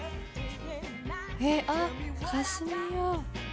えっあっカシミヤ。